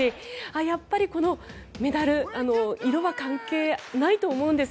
やっぱりこのメダル色は関係ないと思うんです。